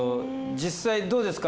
実際どうですか？